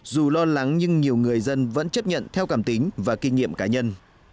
dù lo lắng nhưng nhiều người dân vẫn chấp nhận theo cảm tính và kinh nghiệm cá nhân